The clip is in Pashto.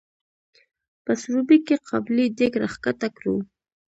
په سروبي کې قابلي دیګ راښکته کړو.